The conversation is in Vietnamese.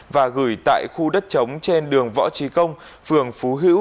và gửi tại khu đất chống trên đường võ trí công phường phú hữu thành phố thủ đức